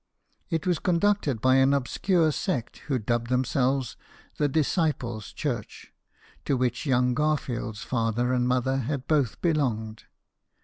It was conducted by an obscure sect who dub themselves " The Disciples' Church," to which young Garfield's father and mother had both belonged.